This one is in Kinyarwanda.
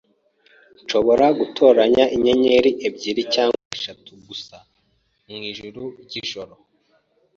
Nshobora gutoranya inyenyeri ebyiri cyangwa eshatu gusa mwijuru ryijoro.